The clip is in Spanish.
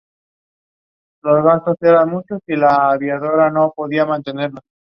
Debido a los ataques, Columbia Records, decidió retirar el lanzamiento.